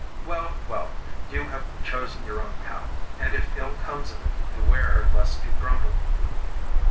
Well, well, you have chosen your own path; and if ill comes of it beware lest you grumble.